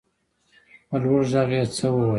په لوړ غږ يې څه وويل.